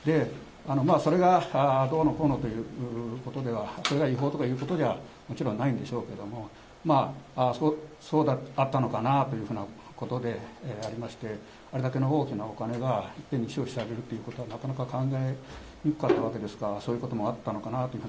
それがどうのこうのということでは、それが違法とかいうことではもちろんないんでしょうけど、そうであったのかなというふうなことでありまして、あれだけの大きなお金がいっぺんに消費されるということは、なかなか考えにくかったわけですが、そういうこともあったのかなと。